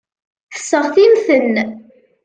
Seɣtimt-ten.